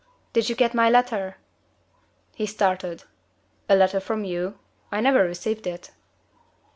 "Did you get my letter?" He started. "A letter from you? I never received it."